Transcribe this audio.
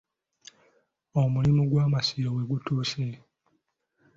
Omulimu gw'Amasiro we gutuuse